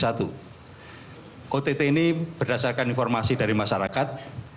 applesia ini berdasarkan informasi dari masyarakat